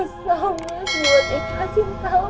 bisa mas buat ikat cintamu